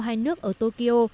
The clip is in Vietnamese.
hai nước ở tokyo